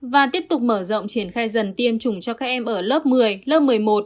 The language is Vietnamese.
và tiếp tục mở rộng triển khai dần tiêm chủng cho các em ở lớp một mươi lớp một mươi một